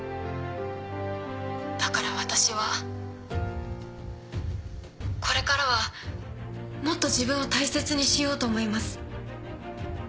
だから私はこれからはもっと自分を大切にしようと思います。